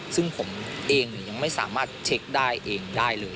ซึ่งผมเองยังไม่สามารถเช็คได้เองได้เลย